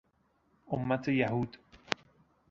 امت یهود